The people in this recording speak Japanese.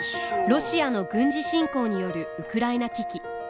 ロシアの軍事侵攻によるウクライナ危機。